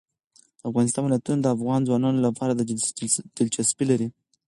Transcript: د افغانستان ولايتونه د افغان ځوانانو لپاره دلچسپي لري.